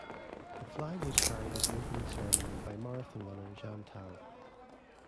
The flag was carried at the opening ceremony by marathon runner Jan Tau.